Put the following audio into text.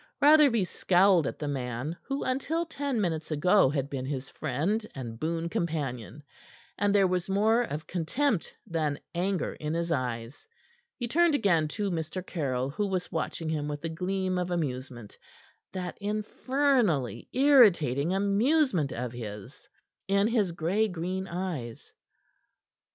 Rotherby scowled at the man who until ten minutes ago had been his friend and boon companion, and there was more of contempt than anger in his eyes. He turned again to Mr. Caryll, who was watching him with a gleam of amusement that infernally irritating amusement of his in his gray green eyes.